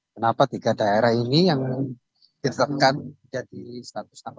kenapa tiga daerah ini yang ditetapkan